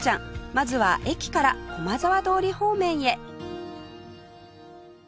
まずは駅から駒沢通り方面へ